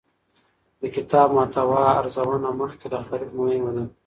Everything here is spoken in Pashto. د کتاب محتوا ارزونه مخکې له خرید مهمه ده.